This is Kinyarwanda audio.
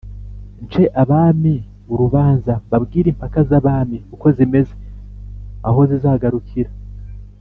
nce abami urubanza: mbabwire impaka z’abami uko zimeze, aho zizagarukira